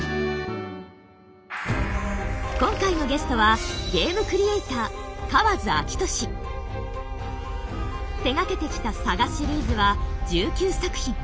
今回のゲストは手がけてきた「サガ」シリーズは１９作品。